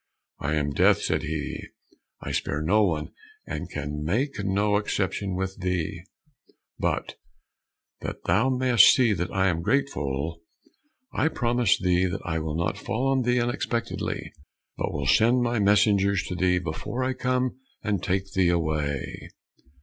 "I am Death," said he. "I spare no one, and can make no exception with thee, but that thou mayst see that I am grateful, I promise thee that I will not fall on thee unexpectedly, but will send my messengers to thee before I come and take thee away."